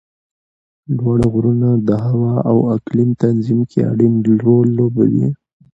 لوړ غرونه د هوا او اقلیم تنظیم کې اړین رول لوبوي